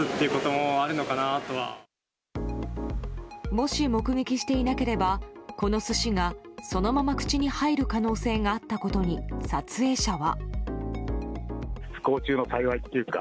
もし目撃していなければこの寿司がそのまま口に入る可能性があったことに撮影者は。